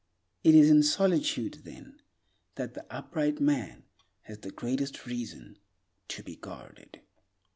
It is in solitude, then, that the upright man has the greatest reason to be guarded."